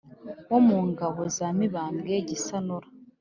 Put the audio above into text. wo mu ngabo za Mibambwe Gisanura